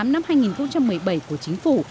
năm hai nghìn một mươi bảy của chính phủ